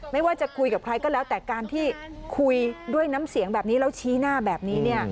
ไม่ว่าจะคุยกับใครก็แล้วแต่การที่คุยด้วยน้ำเสียงแบบนี้แล้วชี้หน้าแบบนี้